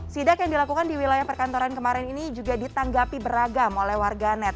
sidak yang dilakukan di wilayah perkantoran kemarin ini juga ditanggapi beragam oleh warganet